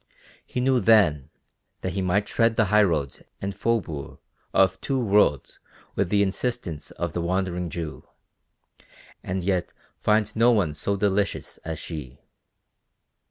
He knew then that he might tread the highroads and faubourgs of two worlds with the insistence of the Wandering Jew, and yet find no one so delicious as she.